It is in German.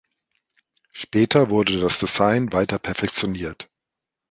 Später wurde das Design weiter perfektioniert.